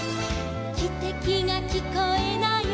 「きてきがきこえない」